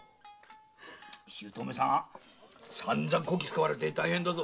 姑さんさんざこき使われて大変だぞ！